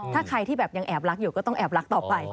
ถ้าใครที่แบบยังแอบรักอยู่ก็ต้องแอบรักต่อไป